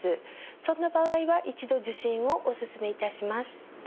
そんな場合は一度受診をお勧めいたします。